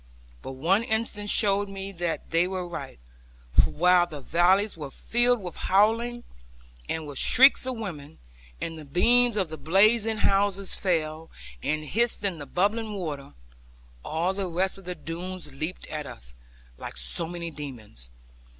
But one instant showed me that they were right; for while the valley was filled with howling, and with shrieks of women, and the beams of the blazing houses fell, and hissed in the bubbling river; all the rest of the Doones leaped at us, like so many demons.